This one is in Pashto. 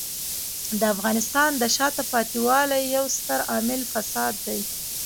د افغانستان د شاته پاتې والي یو ستر عامل فساد دی.